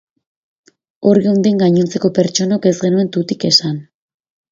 Hor geunden gainontzeko pertsonok ez genuen tutik esan.